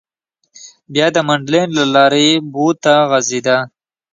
بیا د منډلنډ له لارې بو ته غځېده.